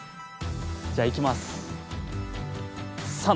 じゃあいきます！